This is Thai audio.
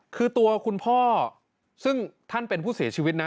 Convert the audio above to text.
คือตัวคุณพ่อซึ่งท่านเป็นผู้เสียชีวิตนะ